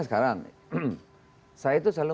sekarang saya itu selalu